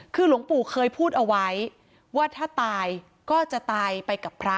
คือหลวงปู่เคยพูดเอาไว้ว่าถ้าตายก็จะตายไปกับพระ